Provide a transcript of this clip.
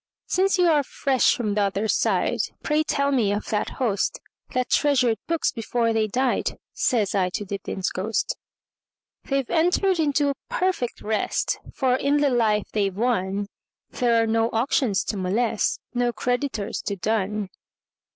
"Since you are fresh from t'other side, Pray tell me of that hostThat treasured books before they died,"Says I to Dibdin's ghost."They 've entered into perfect rest; For in the life they 've wonThere are no auctions to molest, No creditors to dun.